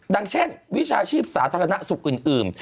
ดังเช่นวิชาชีพสาธารณสุขอื่น